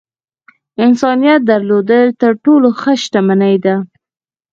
انسانيت درلودل تر ټولو ښۀ شتمني ده .